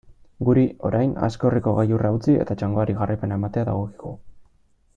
Guri, orain, Aizkorriko gailurra utzi eta txangoari jarraipena ematea dagokigu.